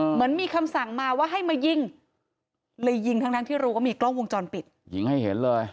เหมือนมีคำสั่งมาว่าให้มายิงเลยยิงทั้งทั้งที่รู้ว่ามีกล้องวงจรปิดยิงให้เห็นเลย